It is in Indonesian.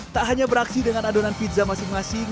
tak hanya beraksi dengan adonan pizza masing masing